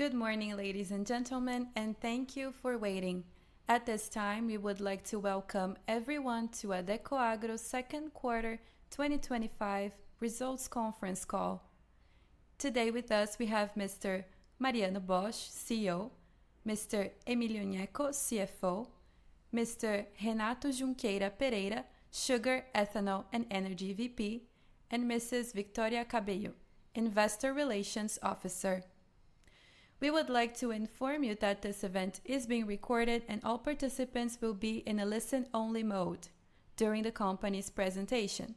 Good morning, ladies and gentlemen, and thank you for waiting. At this time, we would like to welcome everyone to Adecoagro Second Quarter 2025 Results Conference Call. Today with us, we have Mr. Mariano Bosch, CEO; Mr. Emilio Gnecco, CFO; Mr. Renato Junqueira Pereira, Sugar, Ethanol, and Energy VP; and Mrs. Victoria Cabello, Investor Relations Officer. We would like to inform you that this event is being recorded, and all participants will be in a listen-only mode during the company's presentation.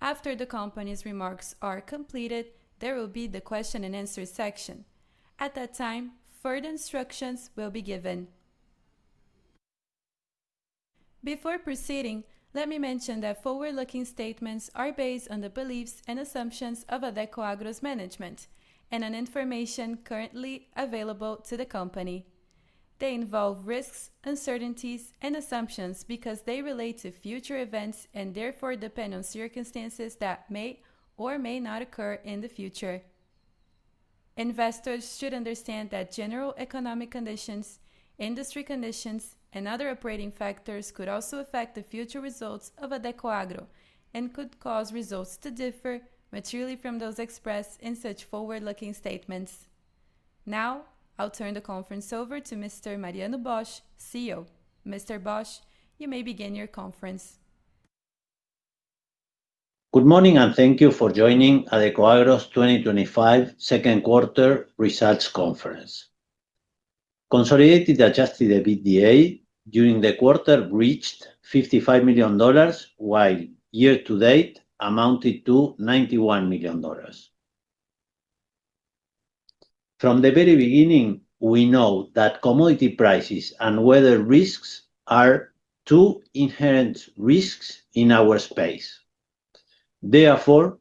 After the company's remarks are completed, there will be the question-and-answer section. At that time, further instructions will be given. Before proceeding, let me mention that forward-looking statements are based on the beliefs and assumptions of Adecoagro management and on information currently available to the company. They involve risks, uncertainties, and assumptions because they relate to future events and therefore depend on circumstances that may or may not occur in the future. Investors should understand that general economic conditions, industry conditions, and other operating factors could also affect the future results of Adecoagro and could cause results to differ materially from those expressed in such forward-looking statements. Now, I'll turn the conference over to Mr. Mariano Bosch, CEO. Mr. Bosch, you may begin your conference. Good morning and thank you for joining Adecoagro's 2025 Second Quarter Results Conference. Consolidated adjusted EBITDA during the quarter reached $55 million, while year-to-date amounted to $91 million. From the very beginning, we know that commodity prices and weather risks are two inherent risks in our space. Therefore,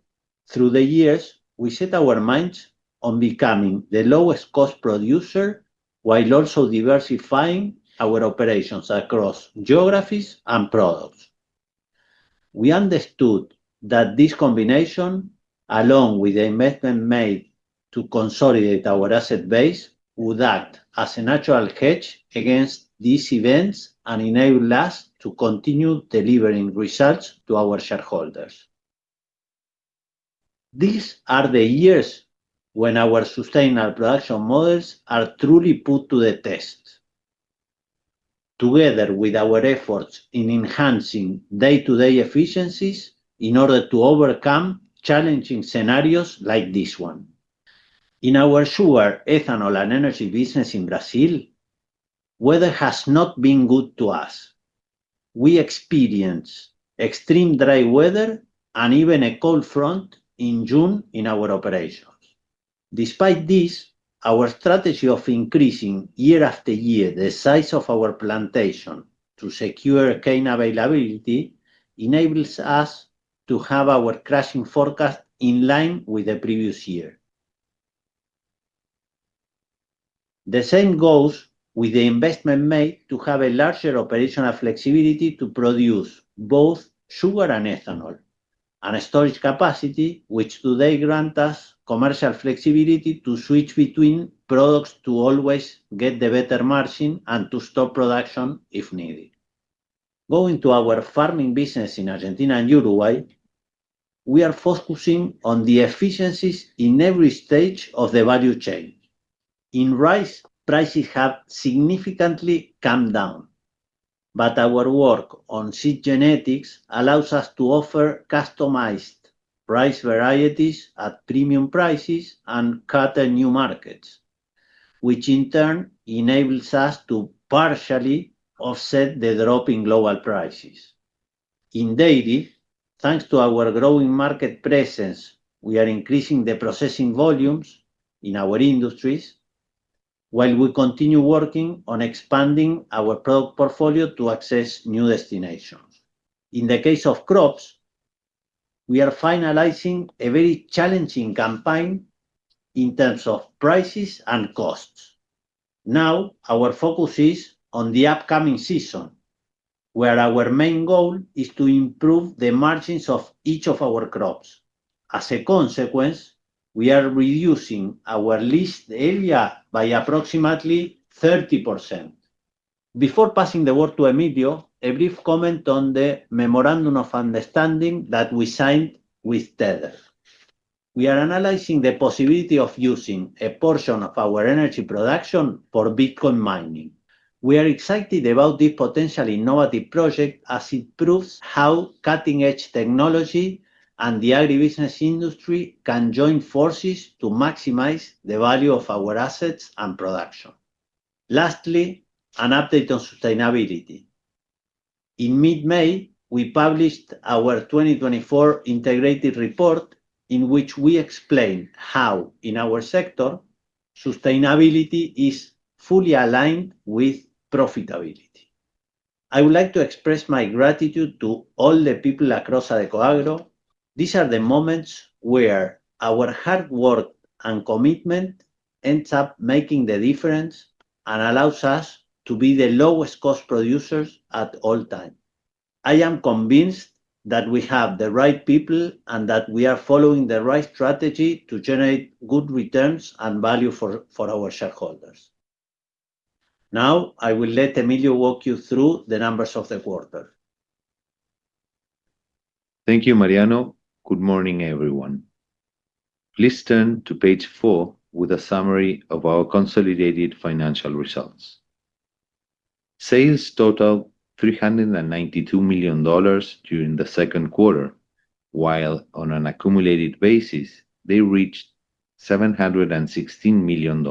through the years, we set our minds on becoming the lowest cost producer while also diversifying our operations across geographies and products. We understood that this combination, along with the investment made to consolidate our asset base, would act as a natural hedge against these events and enable us to continue delivering results to our shareholders. These are the years when our sustainable production models are truly put to the test, together with our efforts in enhancing day-to-day efficiencies in order to overcome challenging scenarios like this one. In our sugar, ethanol, and energy business in Brazil, weather has not been good to us. We experienced extreme dry weather and even a cold front in June in our operations. Despite this, our strategy of increasing year after year the size of our plantation to secure cane availability enables us to have our crushing forecast in line with the previous year. The same goes with the investment made to have a larger operational flexibility to produce both sugar and ethanol, and a storage capacity which today grants us commercial flexibility to switch between products to always get the better margin and to stop production if needed. Going to our farming business in Argentina and Uruguay, we are focusing on the efficiencies in every stage of the value chain. In rice, prices have significantly come down, but our work on seed genetics allows us to offer customized rice varieties at premium prices and cut at new markets, which in turn enables us to partially offset the drop in global prices. In dairy, thanks to our growing market presence, we are increasing the processing volumes in our industries while we continue working on expanding our product portfolio to access new destinations. In the case of crops, we are finalizing a very challenging campaign in terms of prices and costs. Now, our focus is on the upcoming season, where our main goal is to improve the margins of each of our crops. As a consequence, we are reducing our lease area by approximately 30%. Before passing the word to Emilio, a brief comment on the memorandum of understanding that we signed with Tether. We are analyzing the possibility of using a portion of our energy production for Bitcoin mining. We are excited about this potentially innovative project as it proves how cutting-edge technology and the agribusiness industry can join forces to maximize the value of our assets and production. Lastly, an update on sustainability. In mid-May, we published our 2024 integrated report in which we explain how, in our sector, sustainability is fully aligned with profitability. I would like to express my gratitude to all the people across Adecoagro. These are the moments where our hard work and commitment end up making the difference and allow us to be the lowest cost producers at all times. I am convinced that we have the right people and that we are following the right strategy to generate good returns and value for our shareholders. Now, I will let Emilio walk you through the numbers of the quarter. Thank you, Mariano. Good morning, everyone. Please turn to page four with a summary of our consolidated financial results. Sales totaled $392 million during the second quarter, while on an accumulated basis, they reached $716 million.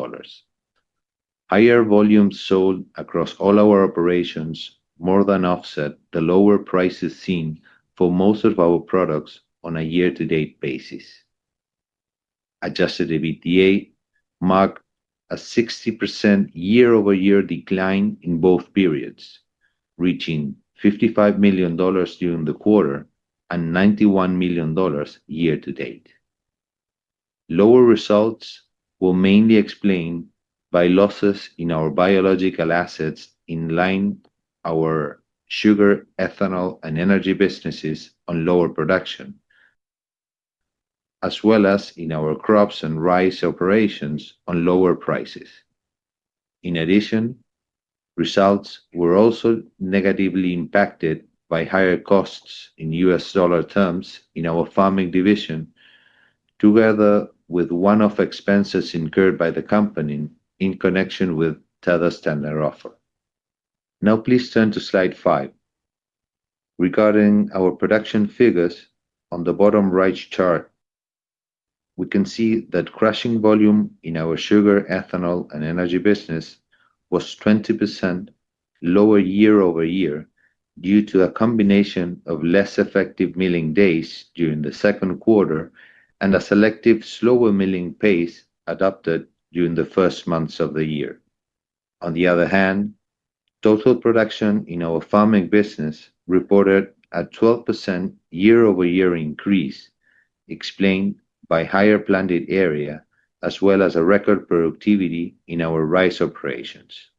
Higher volumes sold across all our operations more than offset the lower prices seen for most of our products on a year-to-date basis. Adjusted EBITDA marked a 60% year-over-year decline in both periods, reaching $55 million during the quarter and $91 million year-to-date. Lower results were mainly explained by losses in our biological assets in line with our sugar, ethanol, and energy businesses on lower production, as well as in our crops and rice operations on lower prices. In addition, results were also negatively impacted by higher costs in U.S. dollar terms in our farming division, together with one-off expenses incurred by the company in connection with Teva's tender offer. Now, please turn to slide five. Regarding our production figures on the bottom right chart, we can see that crushing volume in our sugar, ethanol, and energy business was 20% lower year-over-year due to a combination of less effective milling days during the second quarter and a selective slower milling pace adopted during the first months of the year. On the other hand, total production in our farming business reported a 12% year-over-year increase explained by higher planted area, as well as a record productivity in our rice operations.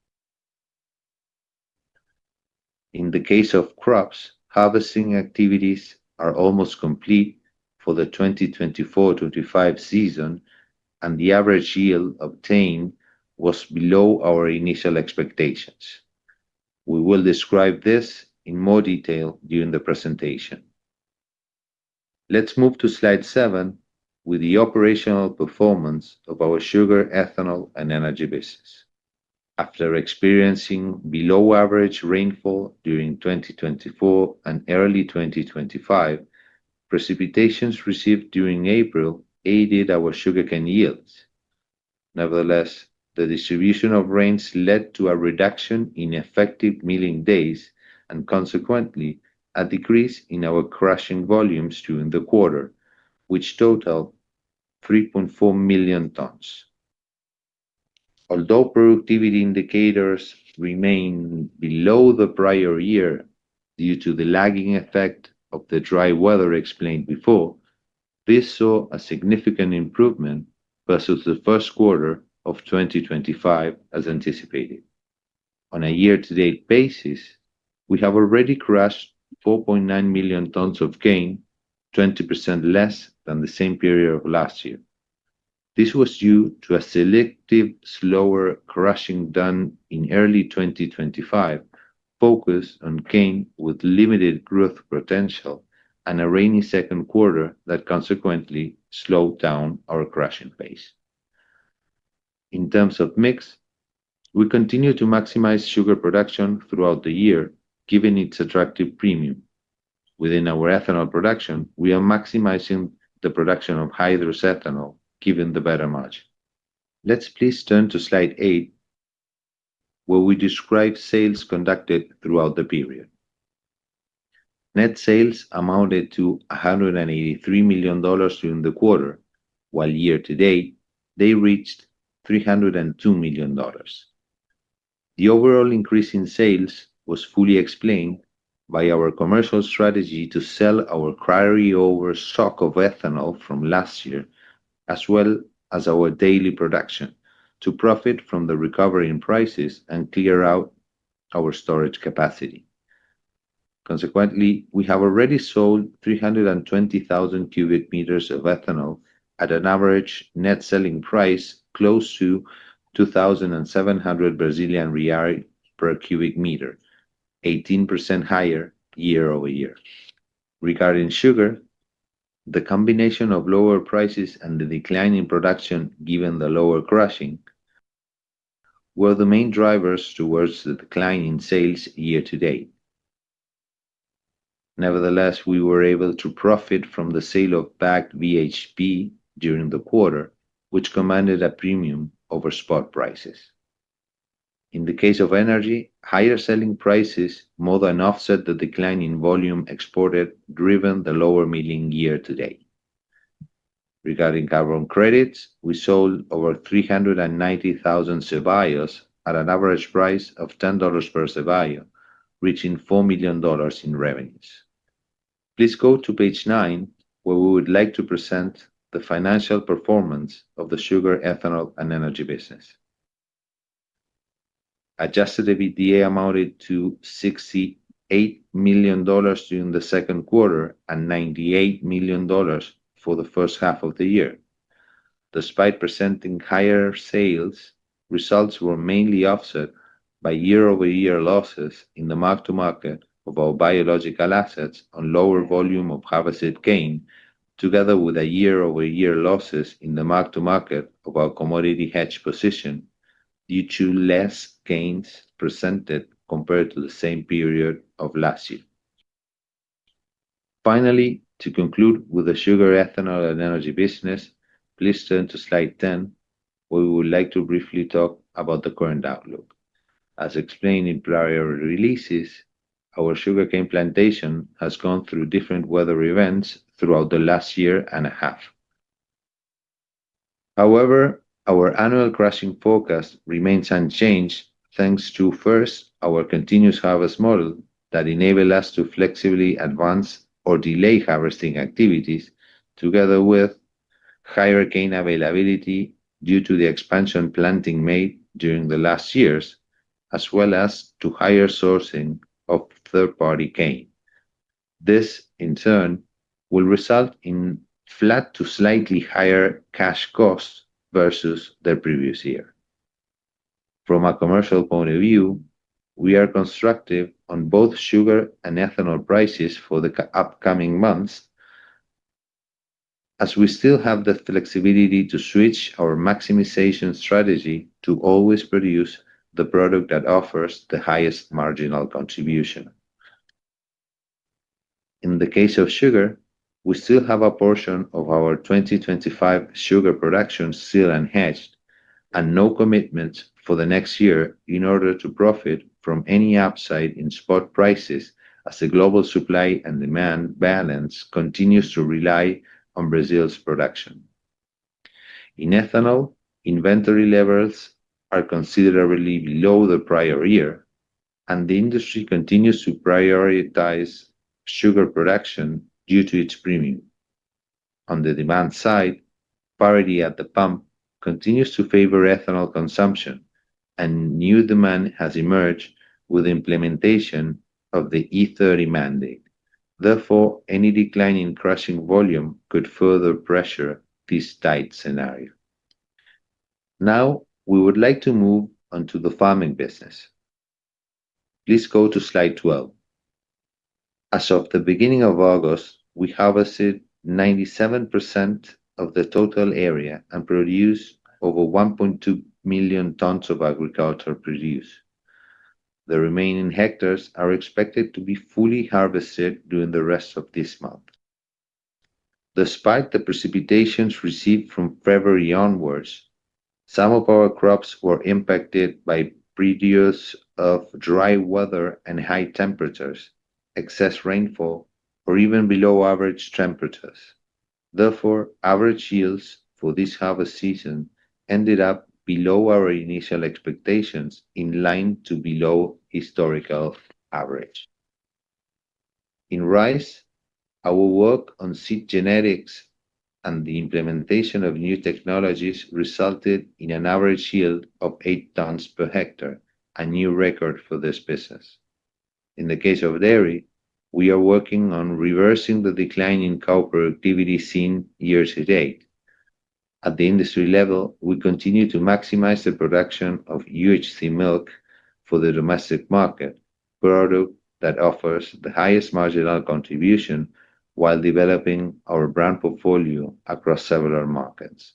In the case of crops, harvesting activities are almost complete for the 2024-2025 season, and the average yield obtained was below our initial expectations. We will describe this in more detail during the presentation. Let's move to slide seven with the operational performance of our sugar, ethanol, and energy business. After experiencing below-average rainfall during 2024 and early 2025, precipitations received during April aided our sugarcane yields. Nevertheless, the distribution of rains led to a reduction in effective milling days and, consequently, a decrease in our crushing volumes during the quarter, which totaled 3.4 million tons. Although productivity indicators remain below the prior year due to the lagging effect of the dry weather explained before, this saw a significant improvement versus the first quarter of 2025 as anticipated. On a year-to-date basis, we have already crushed 4.9 million tons of cane, 20% less than the same period of last year. This was due to a selective, slower crushing done in early 2025, focused on cane with limited growth potential and a rainy second quarter that consequently slowed down our crushing phase. In terms of mix, we continue to maximize sugar production throughout the year, given its attractive premium. Within our ethanol production, we are maximizing the production of hydrous ethanol, given the better margin. Let's please turn to slide eight, where we describe sales conducted throughout the period. Net sales amounted to $183 million during the quarter, while year-to-date, they reached $302 million. The overall increase in sales was fully explained by our commercial strategy to sell our carryover stock of ethanol from last year, as well as our dairy production, to profit from the recovery in prices and clear out our storage capacity. Consequently, we have already sold 320,000 cu m of ethanol at an average net selling price close to 2,700 Brazilian reais per cubic meter, 18% higher year-over-year. Regarding sugar, the combination of lower prices and the decline in production, given the lower crushing, were the main drivers towards the decline in sales year-to-date. Nevertheless, we were able to profit from the sale of packed BHP during the quarter, which commanded a premium over spot prices. In the case of energy, higher selling prices more than offset the decline in volume exported, driven the lower milling year-to-date. Regarding carbon credits, we sold over 390,000 cebayos at an average price of $10 per cebayo, reaching $4 million in revenues. Please go to page nine, where we would like to present the financial performance of the sugar, ethanol, and energy business. Adjusted EBITDA amounted to $68 million during the second quarter and $98 million for the first half of the year. Despite presenting higher sales, results were mainly offset by year-over-year losses in the mark-to-market of our biological assets on lower volume of harvested cane, together with year-over-year losses in the mark-to-market of our commodity hedge position due to less gains presented compared to the same period of last year. Finally, to conclude with the sugar, ethanol, and energy business, please turn to slide 10, where we would like to briefly talk about the current outlook. As explained in prior releases, our sugarcane plantation has gone through different weather events throughout the last year and a half. However, our annual crushing forecast remains unchanged thanks to, first, our continuous harvest model that enables us to flexibly advance or delay harvesting activities, together with higher cane availability due to the expansion planting made during the last years, as well as to higher sourcing of third-party cane. This, in turn, will result in flat to slightly higher cash costs versus the previous year. From a commercial point of view, we are constructive on both sugar and ethanol prices for the upcoming months, as we still have the flexibility to switch our maximization strategy to always produce the product that offers the highest marginal contribution. In the case of sugar, we still have a portion of our 2025 sugar production still unhedged and no commitments for the next year in order to profit from any upside in spot prices, as the global supply and demand balance continues to rely on Brazil's production. In ethanol, inventory levels are considerably below the prior year, and the industry continues to prioritize sugar production due to its premium. On the demand side, parity at the pump continues to favor ethanol consumption, and new demand has emerged with the implementation of the E30 ethanol mandate. Therefore, any decline in crushing volume could further pressure this tight scenario. Now, we would like to move on to the farming business. Please go to slide 12. As of the beginning of August, we harvested 97% of the total area and produced over 1.2 million tons of agricultural products. The remaining hectares are expected to be fully harvested during the rest of this month. Despite the precipitations received from February onwards, some of our crops were impacted by periods of dry weather and high temperatures, excess rainfall, or even below average temperatures. Therefore, average yields for this harvest season ended up below our initial expectations, in line to below historical average. In rice, our work on seed genetics and the implementation of new technologies resulted in an average yield of 8 tons per hectare, a new record for this business. In the case of dairy, we are working on reversing the decline in cow productivity seen year-to-date. At the industry level, we continue to maximize the production of UHT milk for the domestic market, a product that offers the highest marginal contribution while developing our brand portfolio across several markets.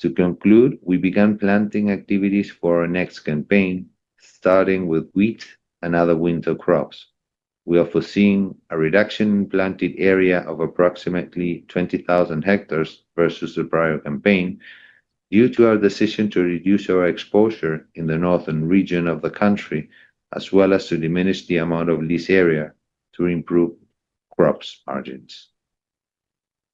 To conclude, we began planting activities for our next campaign, starting with wheat and other winter crops. We are foreseeing a reduction in planted area of approximately 20,000 hectares versus the prior campaign due to our decision to reduce our exposure in the northern region of the country, as well as to diminish the amount of lease area to improve crops' margins.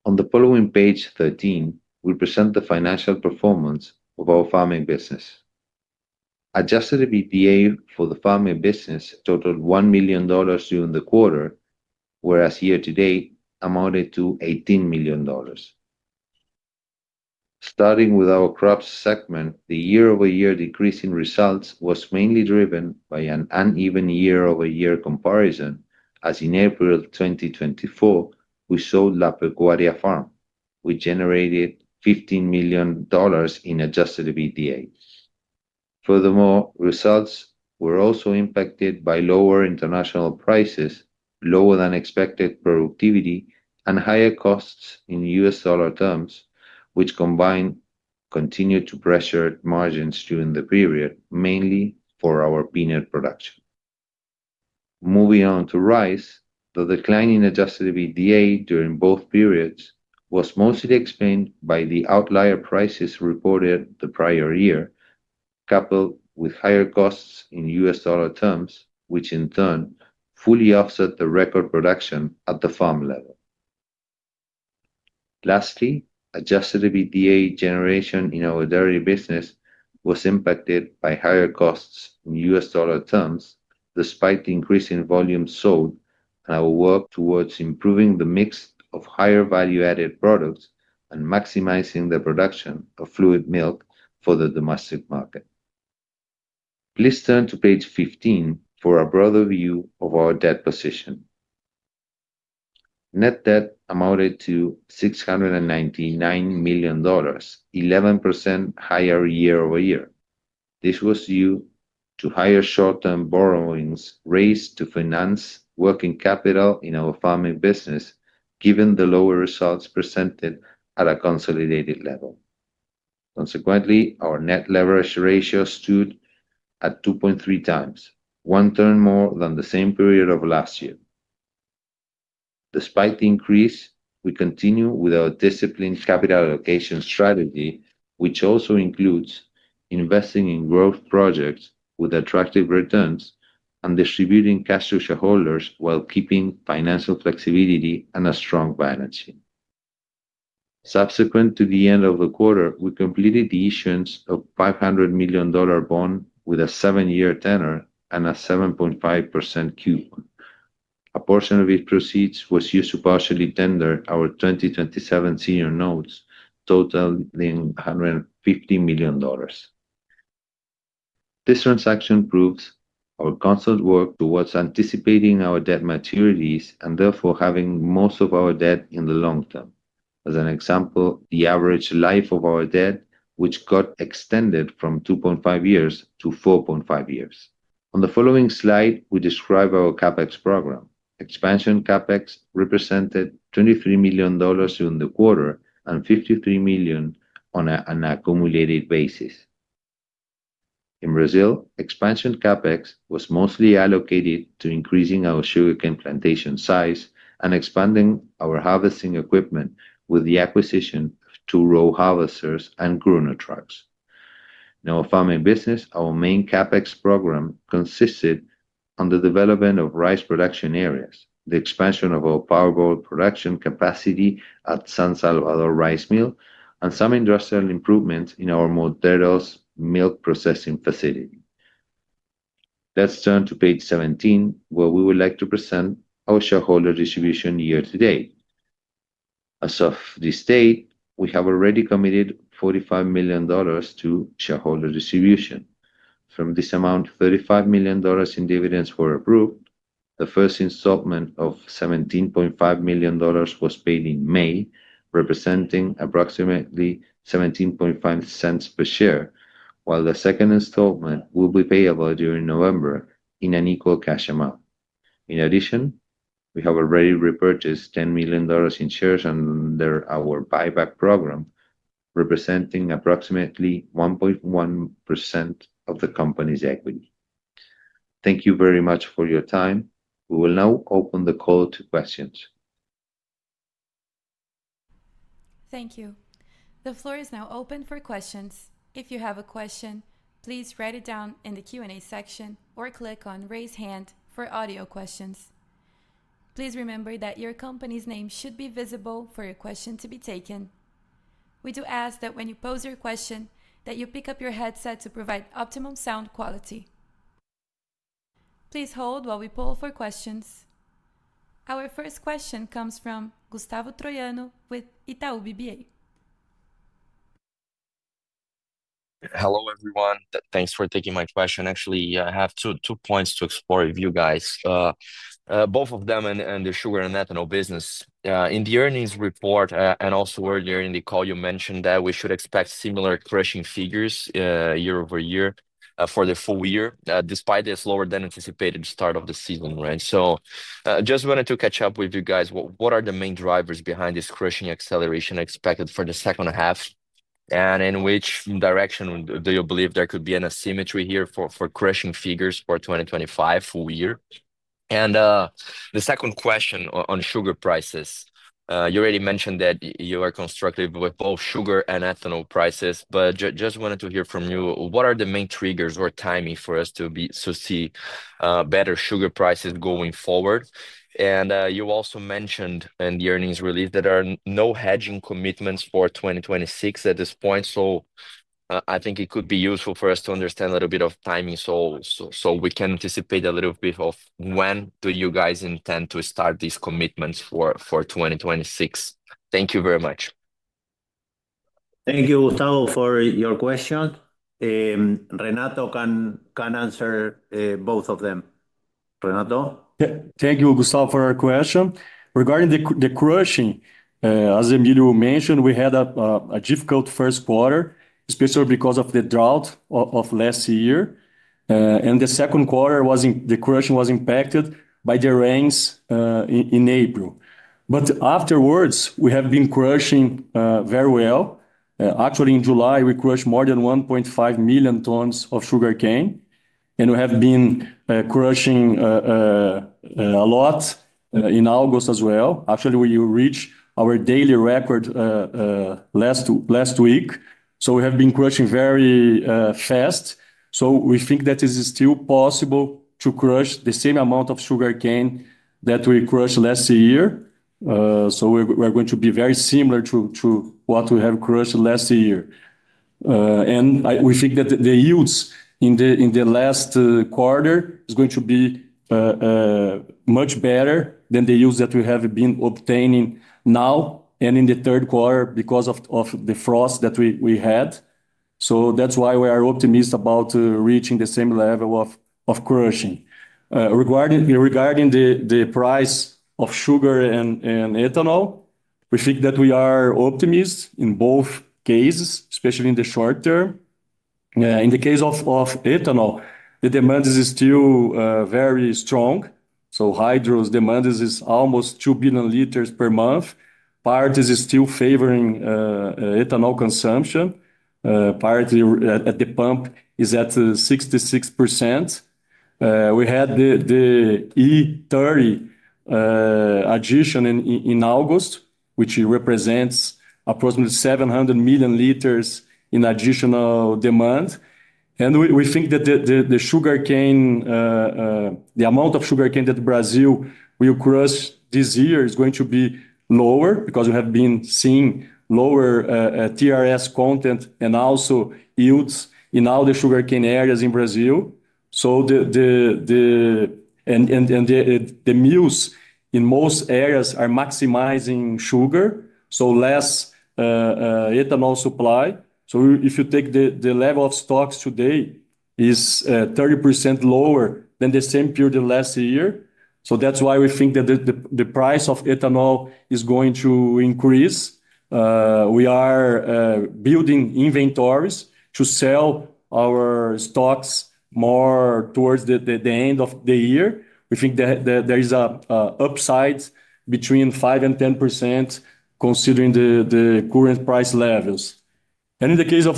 On the following page 13, we present the financial performance of our farming business. Adjusted EBITDA for the farming business totaled $1 million during the quarter, whereas year-to-date amounted to $18 million. Starting with our crops segment, the year-over-year decrease in results was mainly driven by an uneven year-over-year comparison, as in April 2024, we sold La Pecuaria farm, which generated $15 million in adjusted EBITDA. Furthermore, results were also impacted by lower international prices, lower than expected productivity, and higher costs in U.S. dollar terms, which combined continued to pressure margins during the period, mainly for our peanut production. Moving on to rice, the decline in adjusted EBITDA during both periods was mostly explained by the outlier prices reported the prior year, coupled with higher costs in U.S. dollar terms, which in turn fully offset the record production at the farm level. Lastly, adjusted EBITDA generation in our dairy business was impacted by higher costs in U.S. dollar terms, despite the increase in volumes sold, and our work towards improving the mix of higher value-added products and maximizing the production of fluid milk for the domestic market. Please turn to page 15 for a broader view of our debt position. Net debt amounted to $699 million, 11% higher year-over-year. This was due to higher short-term borrowings raised to finance working capital in our farming business, given the lower results presented at a consolidated level. Consequently, our net leverage ratio stood at 2.3x, one turn more than the same period of last year. Despite the increase, we continue with our disciplined capital allocation strategy, which also includes investing in growth projects with attractive returns and distributing cash to shareholders while keeping financial flexibility and a strong balance sheet. Subsequent to the end of the quarter, we completed the issuance of a $500 million bond with a seven-year tenor and a 7.5% coupon. A portion of these proceeds was used to partially tender our 2027 senior notes, totaling $150 million. This transaction proves our constant work towards anticipating our debt maturities and therefore having most of our debt in the long-term. As an example, the average life of our debt, which got extended from 2.5 years-4.5 years. On the following slide, we describe our CapEx program. Expansion CapEx represented $23 million during the quarter and $53 million on an accumulated basis. In Brazil, expansion CapEx was mostly allocated to increasing our sugarcane plantation size and expanding our harvesting equipment with the acquisition of two row harvesters and grown trucks. In our farming business, our main CapEx program consisted in the development of rice production areas, the expansion of our powerball production capacity at San Salvador Rice Mill, and some industrial improvements in our Moteros milk processing facility. Let's turn to page 17, where we would like to present our shareholder distribution year-to-date. As of this date, we have already committed $45 million to shareholder distribution. From this amount, $35 million in dividends were approved. The first installment of $17.5 million was paid in May, representing approximately $0.175 per share, while the second installment will be payable during November in an equal cash amount. In addition, we have already repurchased $10 million in shares under our buyback program, representing approximately 1.1% of the company's equity. Thank you very much for your time. We will now open the call to questions. Thank you. The floor is now open for questions. If you have a question, please write it down in the Q&A section or click on Raise Hand for audio questions. Please remember that your company's name should be visible for a question to be taken. We do ask that when you pose your question, you pick up your headset to provide optimum sound quality. Please hold while we poll for questions. Our first question comes from Gustavo Troyano with Itaú BBA. Hello, everyone. Thanks for taking my question. Actually, I have two points to explore with you guys, both of them in the sugar and ethanol business. In the earnings report and also earlier in the call, you mentioned that we should expect similar crushing figures year-over-year for the full year, despite this lower than anticipated start of the season. Right? I just wanted to catch up with you guys. What are the main drivers behind this crushing acceleration expected for the second half? In which direction do you believe there could be an asymmetry here for crushing figures for 2025 full year? The second question on sugar prices. You already mentioned that you are constructive with both sugar and ethanol prices, but I just wanted to hear from you, what are the main triggers or timing for us to see better sugar prices going forward? You also mentioned in the earnings release that there are no hedging commitments for 2026 at this point. I think it could be useful for us to understand a little bit of timing so we can anticipate a little bit of when do you guys intend to start these commitments for 2026. Thank you very much. Thank you, Gustavo, for your question. Renato can answer both of them. Renato? Thank you, Gustavo, for your question. Regarding the crushing, as Emilio mentioned, we had a difficult first quarter, especially because of the drought of last year. The second quarter in the crushing was impacted by the rains in April. Afterwards, we have been crushing very well. Actually, in July, we crushed more than 1.5 million tons of sugarcane. We have been crushing a lot in August as well. Actually, we reached our daily record last week. We have been crushing very fast. We think that it is still possible to crush the same amount of sugarcane that we crushed last year. We are going to be very similar to what we have crushed last year. We think that the yields in the last quarter are going to be much better than the yields that we have been obtaining now and in the third quarter because of the frost that we had. That is why we are optimistic about reaching the same level of crushing. Regarding the price of sugar and ethanol, we think that we are optimistic in both cases, especially in the short term. In the case of ethanol, the demand is still very strong. Hydrous demand is almost 2 L billion per month. Parity is still favoring ethanol consumption. Parity at the pump is at 66%. We had the E30 ethanol mandate addition in August, which represents approximately 700 L million in additional demand. We think that the amount of sugarcane that Brazil will crush this year is going to be lower because we have been seeing lower TRS content and also yields in all the sugarcane areas in Brazil. The mills in most areas are maximizing sugar, so there is less ethanol supply. If you take the level of stocks today, it is 30% lower than the same period last year. That is why we think that the price of ethanol is going to increase. We are building inventories to sell our stocks more towards the end of the year. We think that there is an upside between 5% and 10%, considering the current price levels. In the case of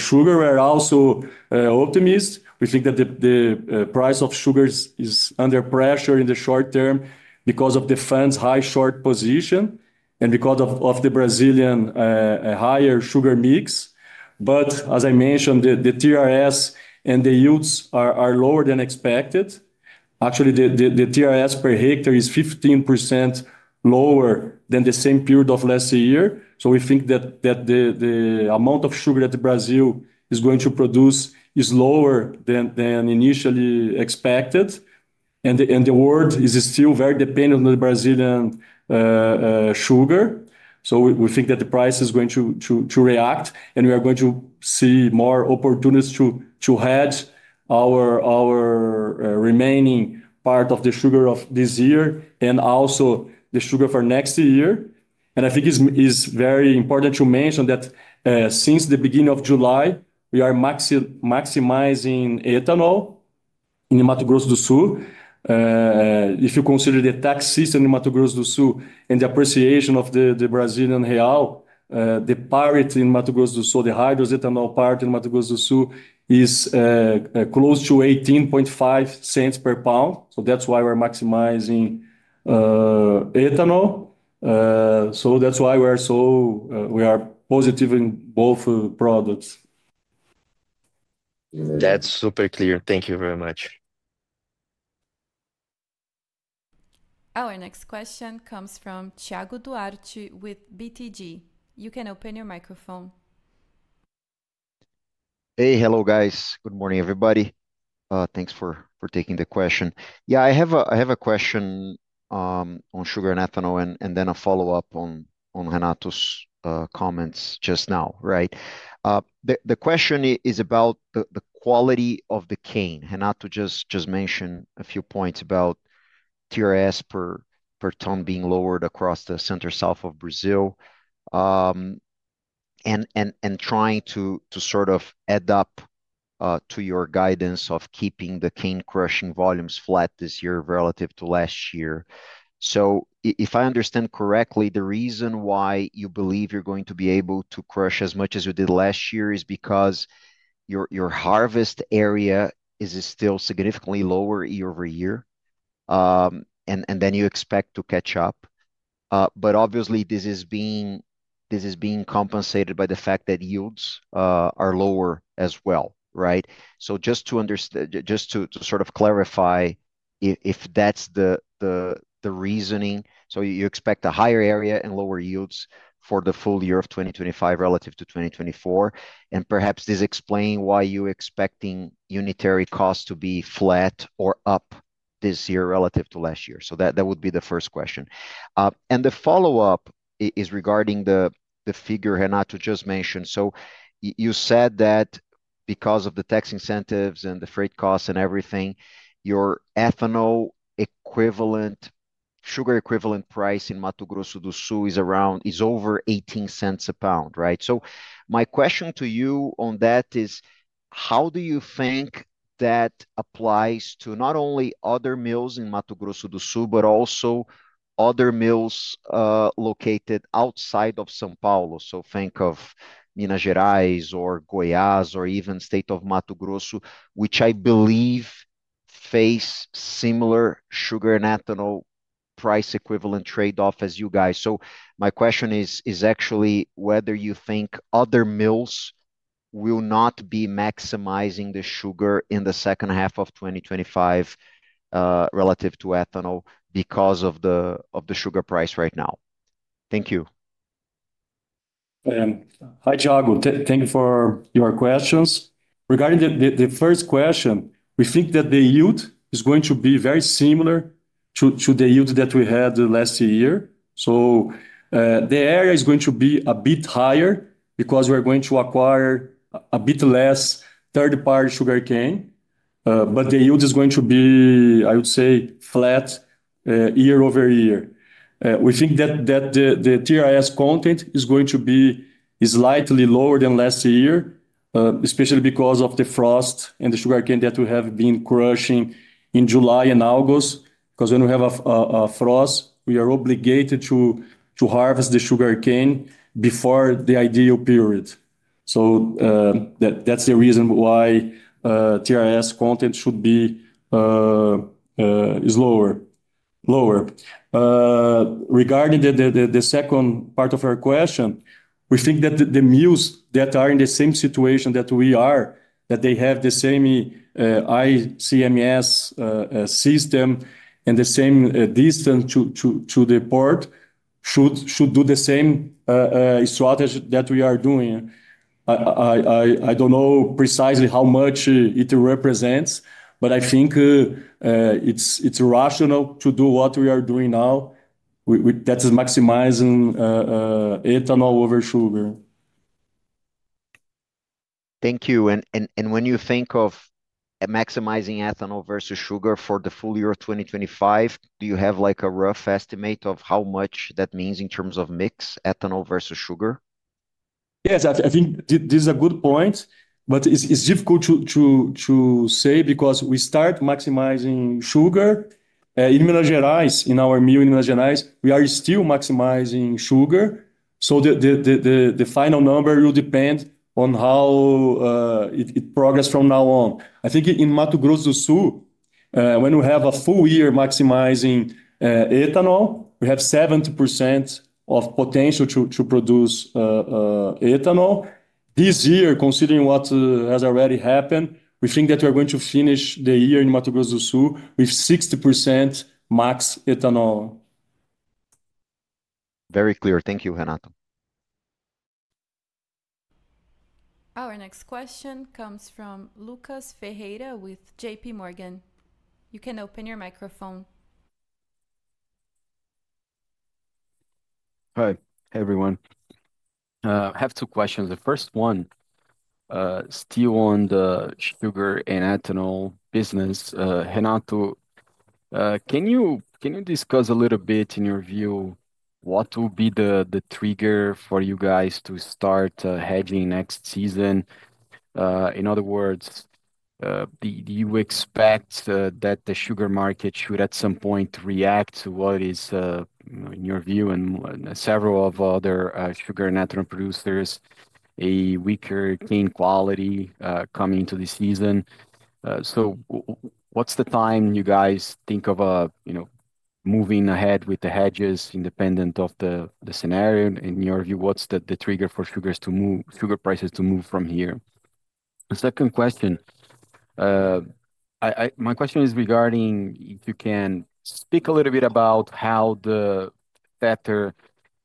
sugar, we are also optimistic. We think that the price of sugar is under pressure in the short-term because of the funds' high short position and because of the Brazilian higher sugar mix. As I mentioned, the TRS and the yields are lower than expected. Actually, the TRS per hectare is 15% lower than the same period of last year. We think that the amount of sugar that Brazil is going to produce is lower than initially expected. The world is still very dependent on the Brazilian sugar. We think that the price is going to react, and we are going to see more opportunities to hedge our remaining part of the sugar of this year and also the sugar for next year. I think it is very important to mention that since the beginning of July, we are maximizing ethanol in Mato Grosso do Sul. If you consider the tax system in Mato Grosso do Sul and the appreciation of the Brazilian real, the parity in Mato Grosso do Sul, the hydrous ethanol parity in Mato Grosso do Sul is close to $0.185 per pound. That's why we're maximizing ethanol. That's why we are so positive in both products. That's super clear. Thank you very much. Our next question comes from Thiago Duarte with BTG. You can open your microphone. Hey, hello, guys. Good morning, everybody. Thanks for taking the question. I have a question on sugar and ethanol and then a follow-up on Renato's comments just now. The question is about the quality of the cane. Renato just mentioned a few points about TRS per ton being lowered across the center-south of Brazil and trying to sort of add up to your guidance of keeping the cane crushing volumes flat this year relative to last year. If I understand correctly, the reason why you believe you're going to be able to crush as much as you did last year is because your harvest area is still significantly lower year-over-year, and you expect to catch up. Obviously, this is being compensated by the fact that yields are lower as well. Just to sort of clarify if that's the reasoning, you expect a higher area and lower yields for the full year of 2025 relative to 2024. Perhaps this explains why you're expecting unitary costs to be flat or up this year relative to last year. That would be the first question. The follow-up is regarding the figure Renato just mentioned. You said that because of the tax incentives and the freight costs and everything, your ethanol equivalent, sugar equivalent price in Mato Grosso do Sul is around over $0.18 a pound. My question to you on that is, how do you think that applies to not only other mills in Mato Grosso do Sul, but also other mills located outside of São Paulo? Think of Minas Gerais or Goiás or even the state of Mato Grosso, which I believe face similar sugar and ethanol price equivalent trade-offs as you guys. My question is actually whether you think other mills will not be maximizing the sugar in the second half of 2025 relative to ethanol because of the sugar price right now. Thank you. Hi, Thiago. Thank you for your questions. Regarding the first question, we think that the yield is going to be very similar to the yield that we had last year. The area is going to be a bit higher because we are going to acquire a bit less third-party sugarcane, but the yield is going to be, I would say, flat year-over-year. We think that the TRS content is going to be slightly lower than last year, especially because of the frost and the sugarcane that we have been crushing in July and August. When we have a frost, we are obligated to harvest the sugarcane before the ideal period. That is the reason why TRS content should be lower. Regarding the second part of your question, we think that the mills that are in the same situation that we are, that they have the same ICMS system and the same distance to the port, should do the same strategy that we are doing. I don't know precisely how much it represents, but I think it's rational to do what we are doing now. That's maximizing ethanol over sugar. Thank you. When you think of maximizing ethanol versus sugar for the full year of 2025, do you have a rough estimate of how much that means in terms of mix, ethanol versus sugar? Yes, I think this is a good point, but it's difficult to say because we start maximizing sugar. In Minas Gerais, in our mill in Minas Gerais, we are still maximizing sugar. The final number will depend on how it progresses from now on. I think in Mato Grosso do Sul, when we have a full year maximizing ethanol, we have 70% of potential to produce ethanol. This year, considering what has already happened, we think that we're going to finish the year in Mato Grosso do Sul with 60% max ethanol. Very clear. Thank you, Renato. Our next question comes from Lucas Ferreira with JPMorgan. You can open your microphone. Hi, hey everyone. I have two questions. The first one is still on the sugar and ethanol business. Renato, can you discuss a little bit in your view what will be the trigger for you guys to start hedging next season? In other words, do you expect that the sugar market should at some point react to what is, in your view and several other sugar and ethanol producers, a weaker cane quality coming into the season? What's the time you guys think of moving ahead with the hedges independent of the scenario? In your view, what's the trigger for sugar prices to move from here? The second question is regarding if you can speak a little bit about how the better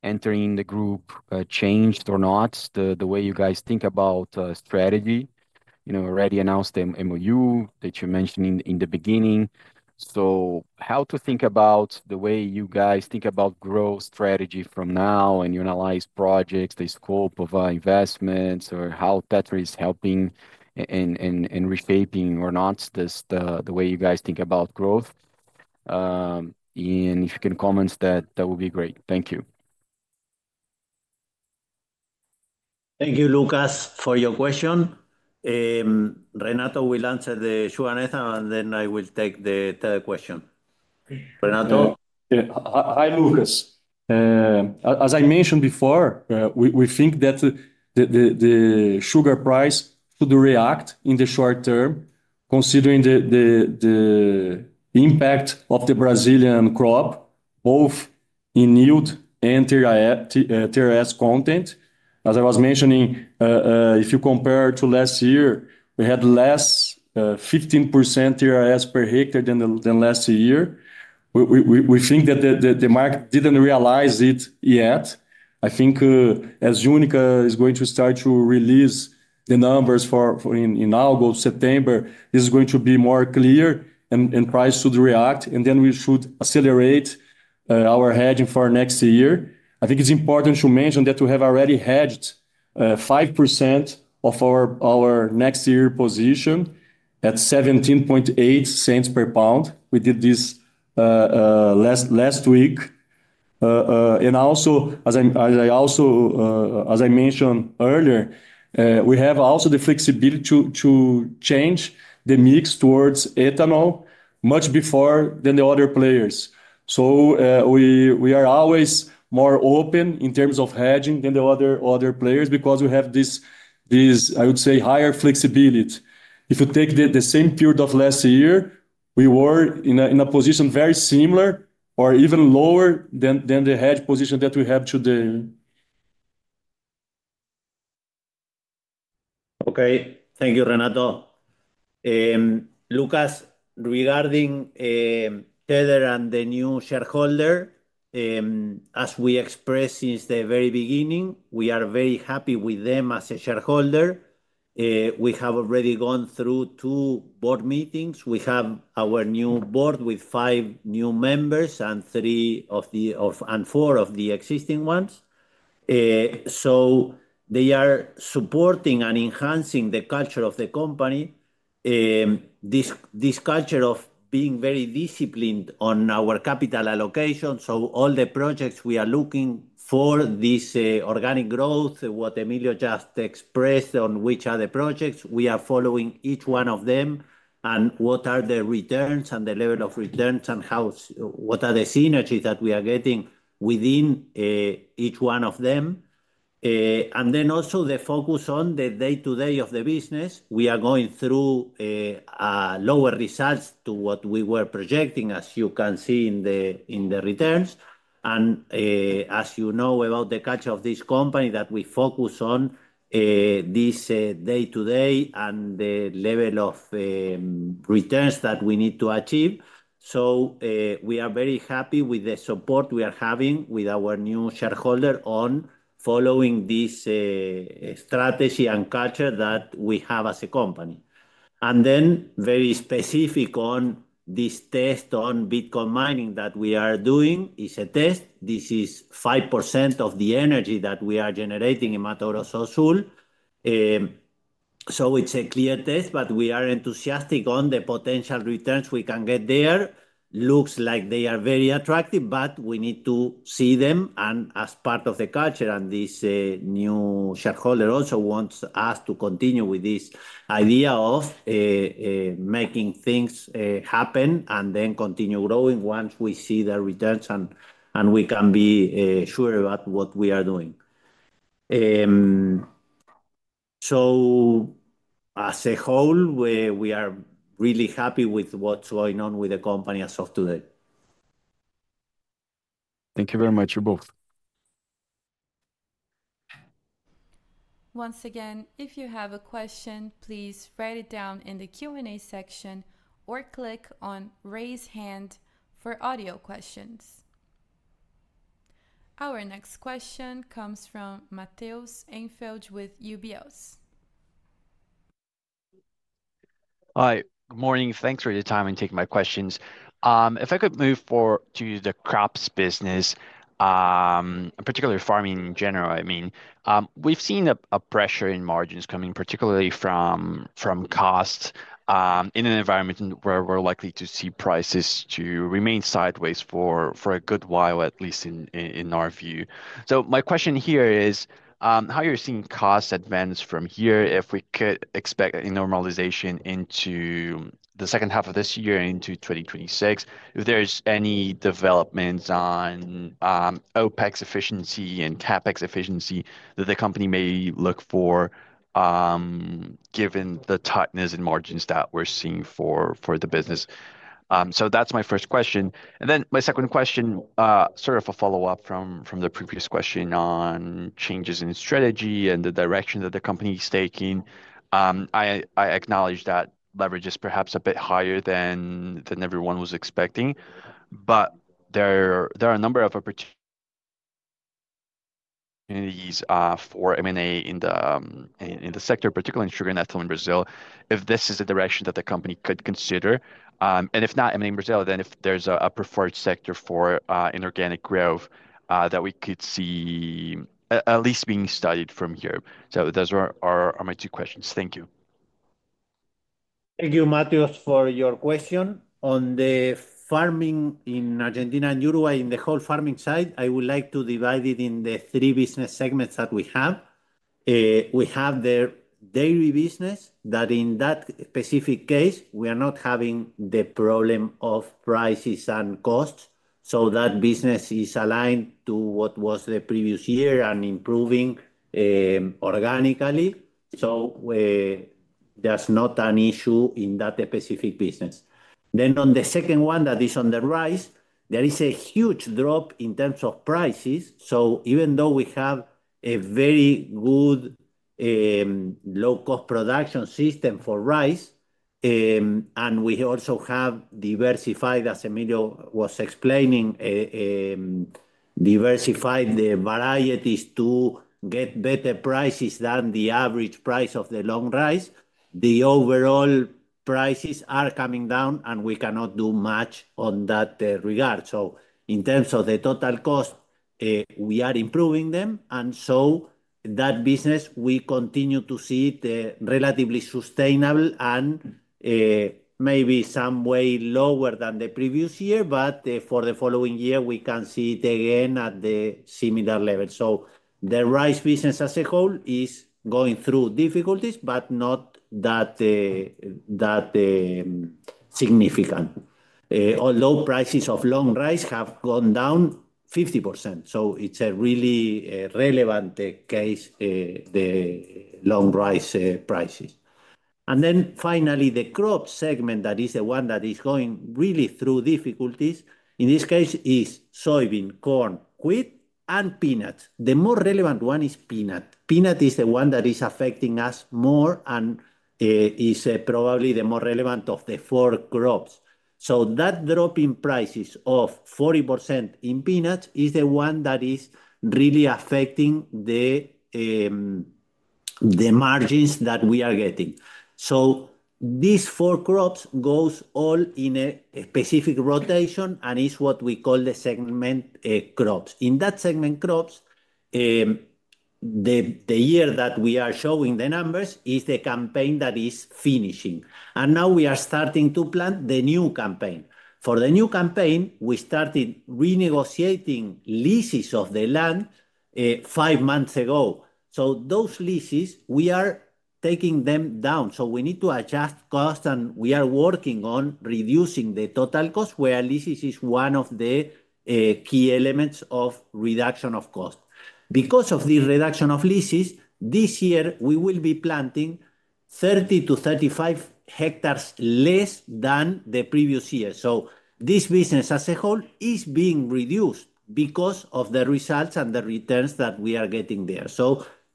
entering the group changed or not the way you guys think about strategy. You know, already announced the memorandum of understanding that you mentioned in the beginning. How to think about the way you guys think about growth strategy from now and you analyze projects, the scope of investments, or how Tether is helping and reshaping or not the way you guys think about growth? If you can comment that, that would be great. Thank you. Thank you, Lucas, for your question. Renato will answer the sugar and ethanol, and then I will take the third question. Renato. Hi, Lucas. As I mentioned before, we think that the sugar price should react in the short term, considering the impact of the Brazilian crop, both in yield and TRS content. As I was mentioning, if you compare to last year, we had less, 15% TRS per hectare than last year. We think that the market didn't realize it yet. I think as UNICA is going to start to release the numbers in August, September, this is going to be more clear and price should react. We should accelerate our hedging for next year. I think it's important to mention that we have already hedged 5% of our next year position at $0.178 per pound. We did this last week. Also, as I mentioned earlier, we have the flexibility to change the mix towards ethanol much before than the other players. We are always more open in terms of hedging than the other players because we have this, I would say, higher flexibility. If you take the same period of last year, we were in a position very similar or even lower than the hedge position that we have today. Okay. Thank you, Renato. Lucas, regarding Tether and the new shareholder, as we expressed since the very beginning, we are very happy with them as a shareholder. We have already gone through two board meetings. We have our new board with five new members and four of the existing ones. They are supporting and enhancing the culture of the company. This culture of being very disciplined on our capital allocation. All the projects we are looking for this organic growth, what Emilio just expressed on which are the projects, we are following each one of them and what are the returns and the level of returns and what are the synergies that we are getting within each one of them. There is also the focus on the day-to-day of the business. We are going through lower results to what we were projecting, as you can see in the returns. As you know about the culture of this company, we focus on this day-to-day and the level of returns that we need to achieve. We are very happy with the support we are having with our new shareholder on following this strategy and culture that we have as a company. Very specific on this test on Bitcoin mining that we are doing, it is a test. This is 5% of the energy that we are generating in Mato Grosso do Sul. It is a clear test, but we are enthusiastic on the potential returns we can get there. Looks like they are very attractive, but we need to see them as part of the culture. This new shareholder also wants us to continue with this idea of making things happen and continue growing once we see the returns and we can be sure about what we are doing. As a whole, we are really happy with what's going on with the company as of today. Thank you very much, you both. Once again, if you have a question, please write it down in the Q&A section or click on raise hand for audio questions. Our next question comes from Matheus Enfield with UBS. Hi. Morning. Thanks for your time in taking my questions. If I could move forward to the crops business, particularly farming in general, we've seen a pressure in margins coming particularly from costs in an environment where we're likely to see prices remain sideways for a good while, at least in our view. My question here is how you're seeing costs advance from here if we could expect a normalization into the second half of this year and into 2026. If there's any developments on OpEx efficiency and CapEx efficiency that the company may look for given the tightness in margins that we're seeing for the business. That's my first question. My second question, sort of a follow-up from the previous question on changes in strategy and the direction that the company is taking. I acknowledge that leverage is perhaps a bit higher than everyone was expecting, but there are a number of opportunities for M&A in the sector, particularly in sugar and ethanol in Brazil, if this is a direction that the company could consider. If not M&A in Brazil, then if there's a preferred sector for inorganic growth that we could see at least being studied from here. Those are my two questions. Thank you. Thank you, Mateus, for your question. On the farming in Argentina and Uruguay, in the whole farming side, I would like to divide it in the three business segments that we have. We have the dairy business that in that specific case, we are not having the problem of prices and costs. That business is aligned to what was the previous year and improving organically. There's not an issue in that specific business. The second one is on the rice. There is a huge drop in terms of prices. Even though we have a very good low-cost production system for rice, and we also have diversified, as Emilio was explaining, diversified the varieties to get better prices than the average price of the long rice, the overall prices are coming down and we cannot do much on that regard. In terms of the total cost, we are improving them. That business, we continue to see it relatively sustainable and maybe some way lower than the previous year, but for the following year, we can see it again at the similar level. The rice business as a whole is going through difficulties, but not that significant. Although prices of long rice have gone down 50%. It's a really relevant case, the long rice prices. Finally, the crop segment is the one that is going really through difficulties. In this case, it's soybean, corn, wheat, and peanuts. The more relevant one is peanut. Peanut is the one that is affecting us more and is probably the more relevant of the four crops. That drop in prices of 40% in peanuts is the one that is really affecting the margins that we are getting. These four crops go all in a specific rotation and it's what we call the segment crops. In that segment crops, the year that we are showing the numbers is the campaign that is finishing. Now we are starting to plan the new campaign. For the new campaign, we started renegotiating leases of the land five months ago. Those leases, we are taking them down. We need to adjust costs and we are working on reducing the total cost, where leases is one of the key elements of reduction of cost. Because of this reduction of leases, this year, we will be planting 30-35 hectares less than the previous year. This business as a whole is being reduced because of the results and the returns that we are getting there.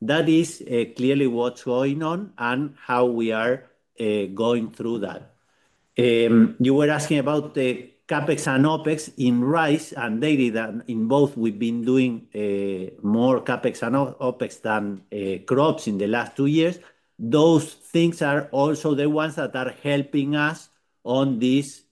That is clearly what's going on and how we are going through that. You were asking about the CapEx and OpEx in rice and dairy. In both, we've been doing more CapEx and OpEx than crops in the last two years. Those things are also the ones that are helping us on this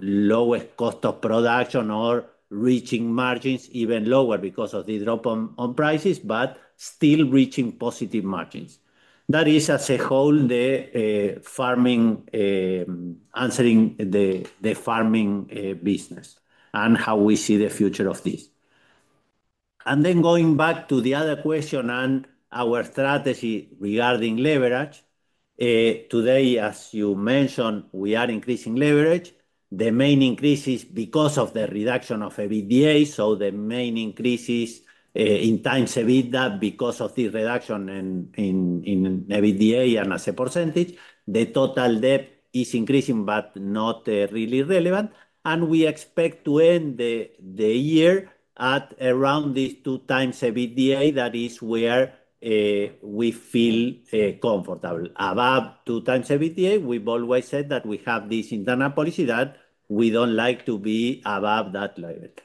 lowest cost of production or reaching margins even lower because of the drop on prices, but still reaching positive margins. That is, as a whole, the farming answering the farming business and how we see the future of this. Going back to the other question and our strategy regarding leverage, today, as you mentioned, we are increasing leverage. The main increase is because of the reduction of EBITDA. The main increase is in times EBITDA because of this reduction in EBITDA and as a percentage, the total debt is increasing, but not really relevant. We expect to end the year at around these 2x EBITDA. That is where we feel comfortable. Above 2x EBITDA, we've always said that we have this internal policy that we don't like to be above that limit.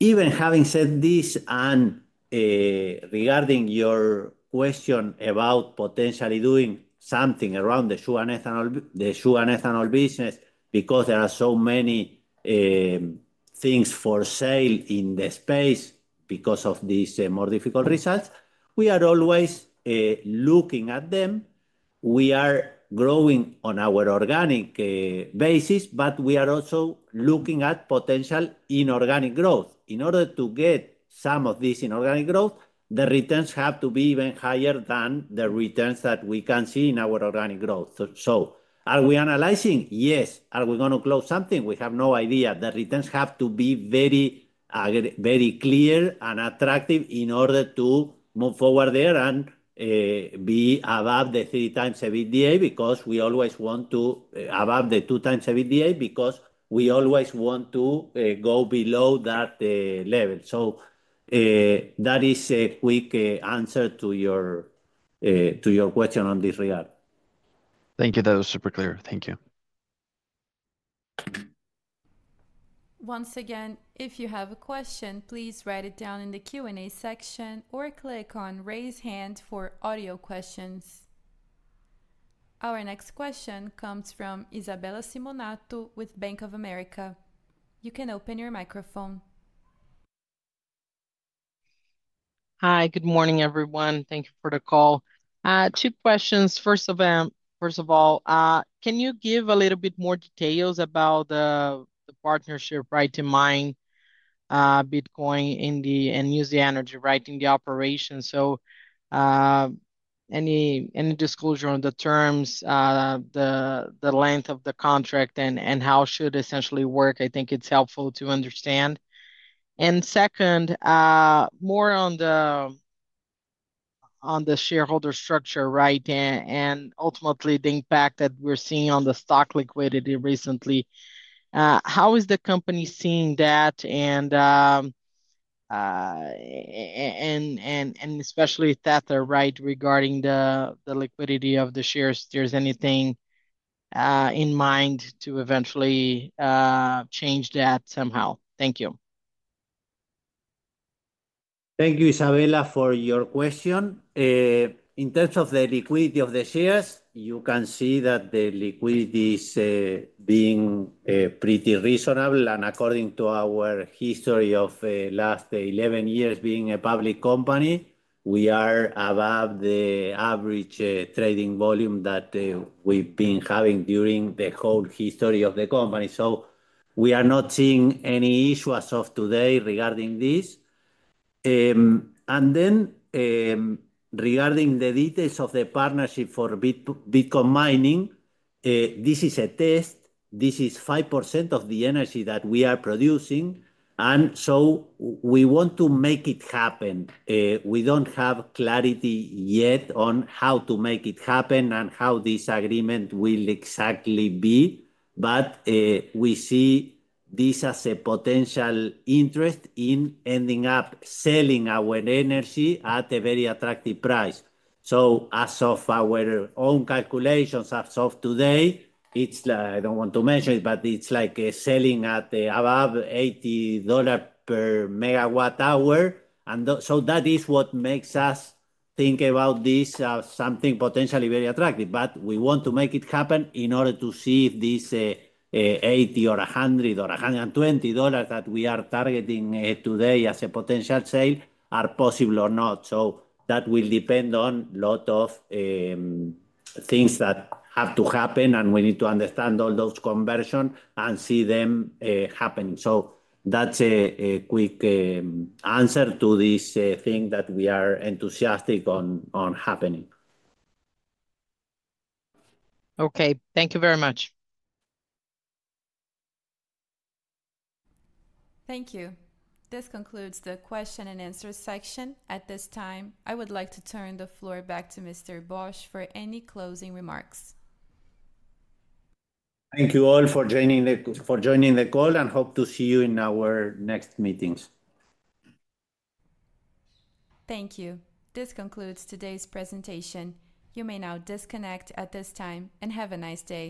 Even having said this and regarding your question about potentially doing something around the sugar and ethanol business, because there are so many things for sale in the space because of these more difficult results, we are always looking at them. We are growing on our organic basis, but we are also looking at potential inorganic growth. In order to get some of this inorganic growth, the returns have to be even higher than the returns that we can see in our organic growth. Are we analyzing? Yes. Are we going to close something? We have no idea. The returns have to be very, very clear and attractive in order to move forward there and be above the 3x EBITDA because we always want to above the 2x EBITDA because we always want to go below that level. That is a quick answer to your question on this regard. Thank you. That was super clear. Thank you. Once again, if you have a question, please write it down in the Q&A section or click on Raise Hand for audio questions. Our next question comes from Isabella Simonato with Bank of America. You can open your microphone. Hi. Good morning, everyone. Thank you for the call. Two questions. First of all, can you give a little bit more details about the partnership to mine Bitcoin and use the energy in the operation? Any disclosure on the terms, the length of the contract, and how should it essentially work? I think it's helpful to understand. Second, more on the shareholder structure and ultimately the impact that we're seeing on the stock liquidity recently. How is the company seeing that? Especially Tether regarding the liquidity of the shares, is there anything in mind to eventually change that somehow? Thank you. Thank you, Isabella, for your question. In terms of the liquidity of the shares, you can see that the liquidity is being pretty reasonable. According to our history of the last 11 years being a public company, we are above the average trading volume that we've been having during the whole history of the company. We are not seeing any issues as of today regarding this. Regarding the details of the partnership for Bitcoin mining, this is a test. This is 5% of the energy that we are producing. We want to make it happen. We don't have clarity yet on how to make it happen and how this agreement will exactly be. We see this as a potential interest in ending up selling our energy at a very attractive price. As of our own calculations, as of today, it's like I don't want to mention it, but it's like selling at above $80 per megawatt hour. That is what makes us think about this as something potentially very attractive. We want to make it happen in order to see if this $80 or $100 or $120 that we are targeting today as a potential sale are possible or not. That will depend on a lot of things that have to happen. We need to understand all those conversions and see them happening. That's a quick answer to this thing that we are enthusiastic on happening. Okay, thank you very much. Thank you. This concludes the question-and-answer section. At this time, I would like to turn the floor back to Mr. Bosch for any closing remarks. Thank you all for joining the call and hope to see you in our next meetings. Thank you. This concludes today's presentation. You may now disconnect at this time and have a nice day.